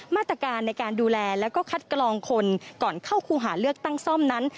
มาตรการในการดูแลแล้วก็คัดกรองคนก่อนเข้าคู่หาเลือกตั้งซ่อมนั้น